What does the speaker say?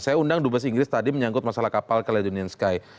saya undang dubes inggris tadi menyangkut masalah kapal caledonian sky